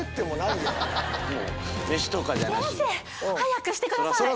先生早くしてください！